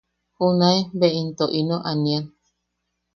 Junae be into ino anian.